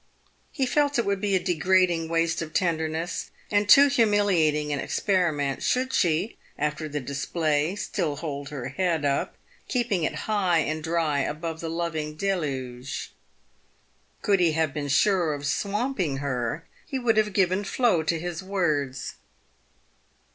He felt it would be a degrading waste of tenderness, and too humiliating an experiment, should she, after the display, still hold her head up, keeping it high and dry above the loving deluge. Could he have been sure of swamping her, he would have given flow to his words.